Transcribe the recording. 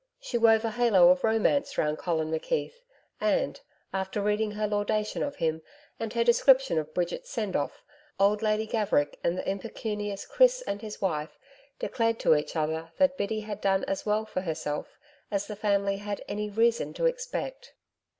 She wove a halo of romance round Colin McKeith, and, after reading her laudation of him, and her description of Bridget's send off, old Lady Gaverick and the impecunious Chris and his wife declared to each other that Biddy had done as well for herself as the family had any reason to expect.